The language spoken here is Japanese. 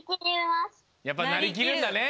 やっぱなりきるんだね。